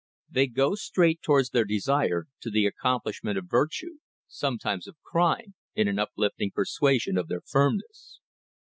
They go straight towards their desire, to the accomplishment of virtue sometimes of crime in an uplifting persuasion of their firmness.